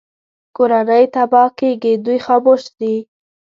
کورنۍ تباه کېږي دوی خاموش دي